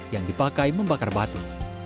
yang dipakai membakar batu